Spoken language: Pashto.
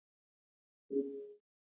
افغانستان د کلتور په برخه کې نړیوال شهرت لري.